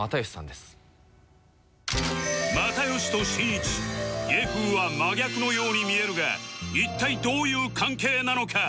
又吉としんいち芸風は真逆のように見えるが一体どういう関係なのか？